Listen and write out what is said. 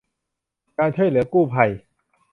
การช่วยเหลือกู้ภัย